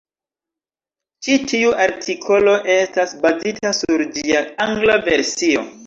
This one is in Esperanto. Ĉi tiu artikolo estas bazita sur ĝia angla versio.